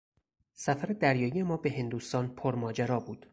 سفر دریایی ما به هندوستان پرماجرا بود.